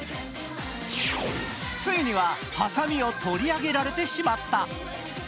ついには、はさみを取り上げられてしまった。